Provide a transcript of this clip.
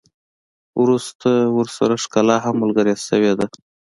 وروسته ورسره ښکلا هم ملګرې شوې ده.